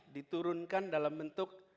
diturunkan dalam bentuk